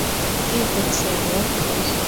কী খুঁজছি আমরা?